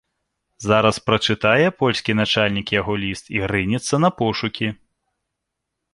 Зараз прачытае польскі начальнік яго ліст і рынецца на пошукі.